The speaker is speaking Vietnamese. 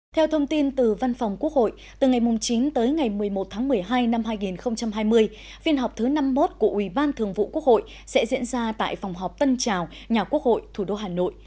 theo thông tin từ văn phòng quốc hội từ ngày chín một mươi một một mươi hai hai nghìn hai mươi phiên họp thứ năm mươi một của ubthq sẽ diễn ra tại phòng họp tân trào nhà quốc hội thủ đô hà nội